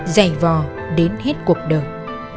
dày vò đến hết cuộc đời